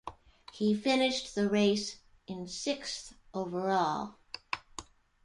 He finished the race in sixth overall.